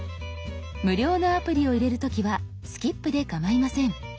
無料のアプリを入れる時は「スキップ」でかまいません。